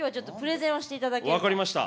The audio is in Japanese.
わかりました。